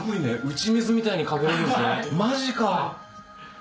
打ち水みたいに掛けられるんですねマジか！